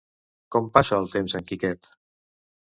Com passa el temps en Quiquet?